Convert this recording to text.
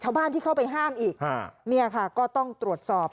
ชาวบ้านที่เข้าไปห้ามอีกเนี่ยค่ะก็ต้องตรวจสอบ